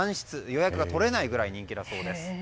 予約が取れないくらい人気だそうです。